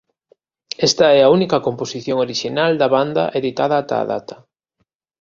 Esta é a única composición orixinal da banda editada ata a data.